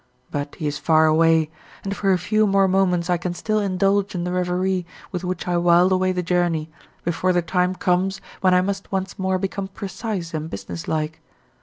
But he is far away, and for a few more moments I can still indulge in the reverie with which I whiled away the journey, before the time comes when I must once more become precise and businesslike.